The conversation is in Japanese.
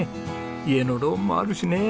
家のローンもあるしね。